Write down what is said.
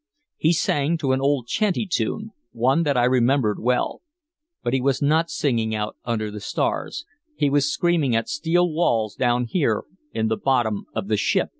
He sang to an old "chanty" tune, one that I remembered well. But he was not singing out under the stars, he was screaming at steel walls down here in the bottom of the ship.